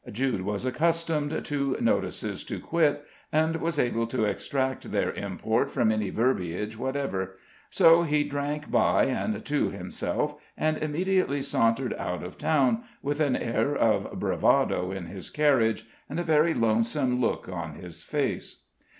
Jude was accustomed to "notices to quit," and was able to extract their import from any verbiage whatever, so he drank by and to himself, and immediately sauntered out of town, with an air of bravado in his carriage, and a very lonesome look in his face.